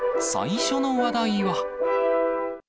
最初の話題は。